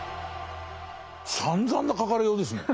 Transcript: さんざんな書かれようですね。